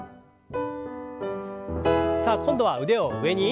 さあ今度は腕を上に。